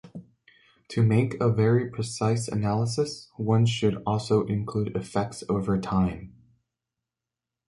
To make a very precise analysis one should also include effects over time.